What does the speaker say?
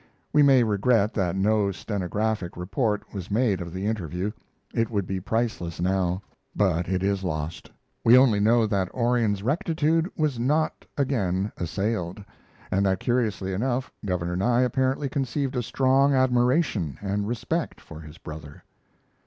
We may regret that no stenographic report was made of the interview. It would be priceless now. But it is lost; we only know that Orion's rectitude was not again assailed, and that curiously enough Governor Nye apparently conceived a strong admiration and respect for his brother.